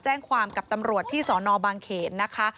แจ้งความกับตำรวจที่สอนอบางเขนนะคะ